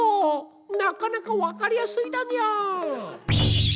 なかなか分かりやすいだにゃー。